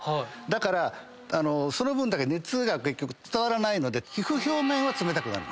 だからその分だけ熱が伝わらないので皮膚表面は冷たくなる。